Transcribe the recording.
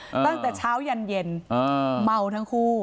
โอ้โหตั้งแต่เช้ายันเย็นเมาทั้งคู่